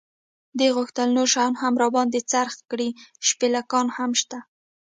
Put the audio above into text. دې غوښتل نور شیان هم را باندې خرڅ کړي، شپلېکان هم شته.